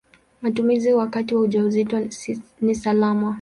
Matumizi wakati wa ujauzito ni salama.